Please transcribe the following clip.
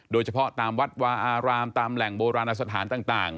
โดยเฉพาะตามวัดวาอารามตามแหล่งโบราณสถานต่าง